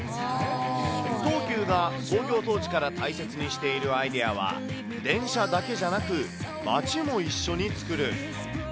東急が創業当時から大切にしているアイデアは、電車だけじゃなく、街も一緒につくる。